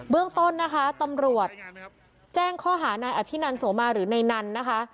เรื่องต้นนะคะตำรวจแจ้งข้อหานายอภินันโสมาหรือในนันนะคะ